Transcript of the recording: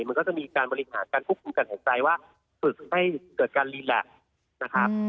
มันก็จะมีการบริหารการควบคุมการหายใจว่าฝึกให้เกิดการรีแล็ปนะครับ